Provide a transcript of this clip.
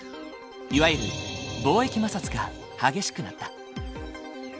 いわゆる貿易摩擦が激しくなった。